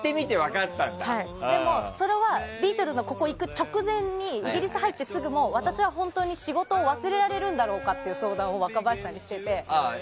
でもそれはビートルズのここに行く直前にイギリス入ってすぐ私は本当に仕事を忘れられるんだろうかっていう相談を若林さんにしてて。